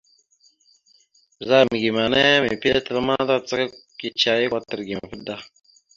Ɓəzagam gime ya ana mèpiɗe tal ma, tàcaka cicihe ya kwatar gime vaɗ da.